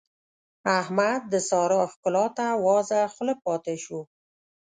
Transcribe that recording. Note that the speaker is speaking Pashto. احمد د سارا ښکلا ته وازه خوله پاته شو.